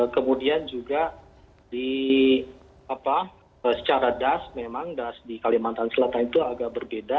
kemudian juga secara das memang das di kalimantan selatan itu agak berbeda